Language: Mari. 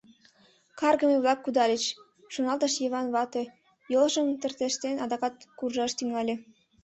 «Каргыме-влак кудальыч», — шоналтыш Йыван вате, йолжым тыртештен, адакат куржаш тӱҥале.